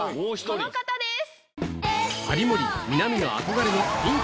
この方です！